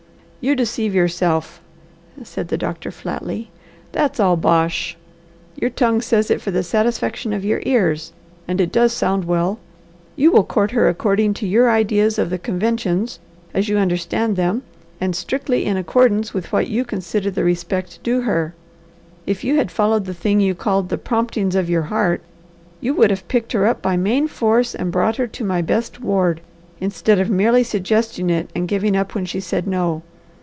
"You deceive yourself!" said the doctor flatly. "That's all bosh! Your tongue says it for the satisfaction of your ears, and it does sound well. You will court her according to your ideas of the conventions, as you understand them, and strictly in accordance with what you consider the respect due her. If you had followed the thing you call the 'promptings of your heart,' you would have picked her up by main force and brought her to my best ward, instead of merely suggesting it and giving up when she said no.